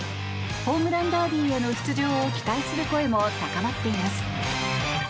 ホームランダービーへの出場を期待する声も高まっています。